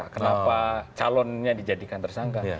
kenapa calonnya dijadikan tersangka